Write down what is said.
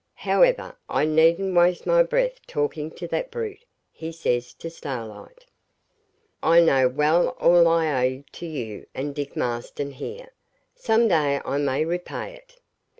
However, I needn't waste my breath talking to that brute,' he says to Starlight. 'I know well all I owe to you and Dick Marston here. Some day I may repay it.'